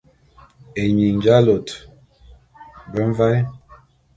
Ényin j'alôte be mvaé.